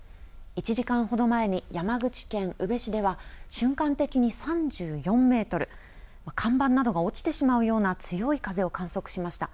１時間ほど前に山口県宇部市では瞬間的に３４メートル、看板などが落ちてしまうような強い風を観測しました。